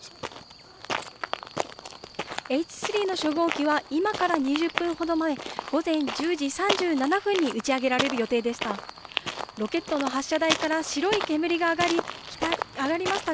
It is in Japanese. Ｈ３の初号機は今から２０分ほど前、午前１０時３７分に打ち上げられる予定でした。